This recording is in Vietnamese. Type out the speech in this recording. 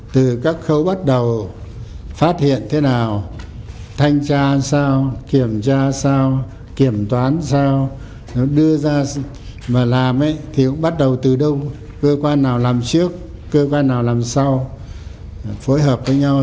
từ các khâu bắt đầu phát hiện thế nào thanh tra sao kiểm tra sao kiểm toán sao đưa ra mà làm thì cũng bắt đầu từ đâu cơ quan nào làm trước cơ quan nào làm sao phối hợp với nhau